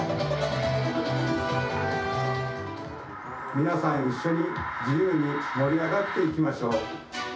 皆さん一緒に自由に盛り上がっていきましょう。